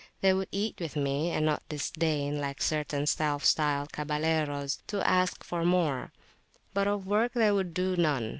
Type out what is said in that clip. They would eat with me, and not disdain, like certain self styled Caballeros, to ask for more; but of work they would do none.